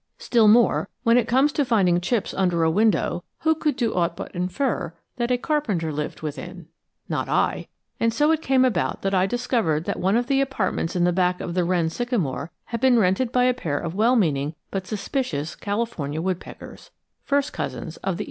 Still more, when it comes to finding chips under a window who could do aught but infer that a carpenter lived within? Not I. And so it came about that I discovered that one of the apartments in the back of the wren sycamore had been rented by a pair of well meaning but suspicious California woodpeckers, first cousins of the eastern red heads.